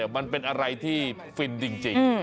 มันเป็นอะไรที่ฟินจริง